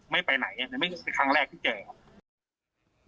ไม่ไปไหนนี่ไม่คือครั้งแรกที่เจอ